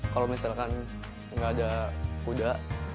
kalau misalkan nggak ada kuda